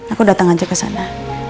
aku datang aja ke sana